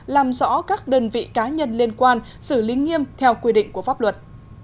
làm rõ các đơn vị cá nhân liên quan xử lý nghiêm theo quy định của pháp luật